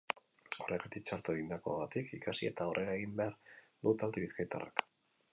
Horregatik, txarto egindakoetatik ikasi eta aurrera egin behar du talde bizkaitarrak.